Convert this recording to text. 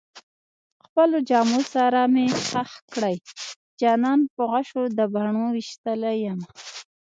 خپلو جامو سره مې خښ کړئ جانان په غشو د بڼو ويشتلی يمه